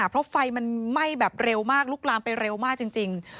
เพราะไฟมันไหม้แบบเร็วมากลุกลามไปเร็วมากจริง